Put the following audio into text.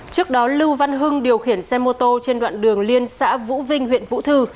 trước đó lưu văn hưng điều khiển xe mô tô trên đoạn đường liên xã vũ vinh huyện vũ thư